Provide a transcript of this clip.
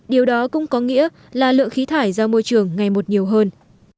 điều đó cũng có nghĩa là lượng khí thải ra môi trường ngày một nhiều hơn